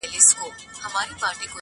دا نن چي زه داسې درگورمه مخ نه اړوم_